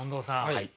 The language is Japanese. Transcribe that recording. はい。